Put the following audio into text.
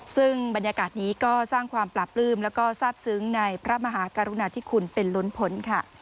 ซึ่งบรรยากาศนี้ก็สร้างความปราบปลื้มแล้วก็ทราบซึ้งในพระมหากรุณาธิคุณเป็นล้นพ้นค่ะ